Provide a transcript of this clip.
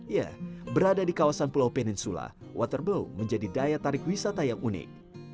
ya berada di kawasan pulau peninsula waterbow menjadi daya tarik wisata yang unik